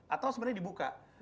atau sebenarnya dibuka